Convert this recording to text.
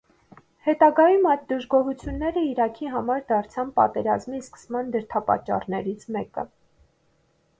Հետագայում այդ դժգոհությունները իրաքի համար դարձան պատերազմի սկսման դրդապատճառներից մեկը։